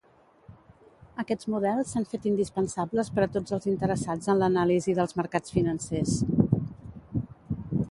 Aquests models s'han fet indispensables per a tots els interessats en l'anàlisi dels mercats financers.